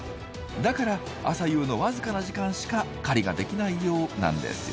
だから朝夕の僅かな時間しか狩りができないようなんですよ。